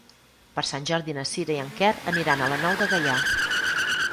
Per Sant Jordi na Sira i en Quer aniran a la Nou de Gaià.